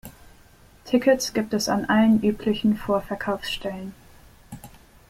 Tickets gibt es an allen üblichen Vorverkaufsstellen.